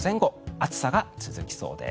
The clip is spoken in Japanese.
暑さが続きそうです。